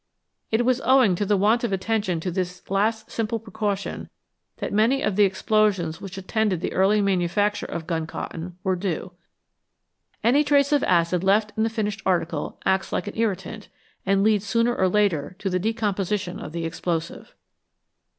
It was owing to want of attention to this last simple precaution that many of the explosions which attended the early manufacture of gun cotton were due. Any trace of acid left in the finished article acts like an irritant, and leads sooner or later to the decom position of the explosive.